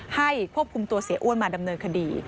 ควบคุมตัวเสียอ้วนมาดำเนินคดี